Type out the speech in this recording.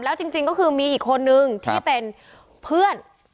แล้วจริงก็คือมีอีกคนนึงที่เป็นเพื่อน